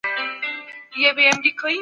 قوانین د عدالت ټینګښت ته لار هواروي.